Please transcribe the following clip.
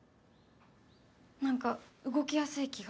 なんか動きやすい気が。